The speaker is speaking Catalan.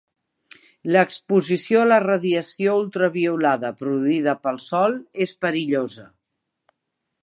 L'exposició a la radiació ultraviolada, produïda pel sol, és perillosa.